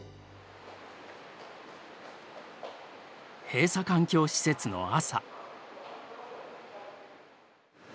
閉鎖環境施設の朝。